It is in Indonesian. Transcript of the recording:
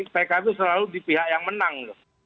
pkb selalu di pihak yang menang